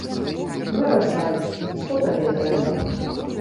Вырашай, што табе трэба.